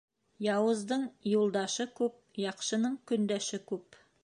Яуыздың юлдашы күп, яҡшының көндәше күп.